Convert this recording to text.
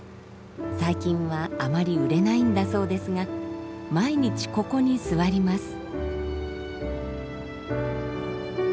最近はあまり売れないんだそうですが毎日ここに座ります。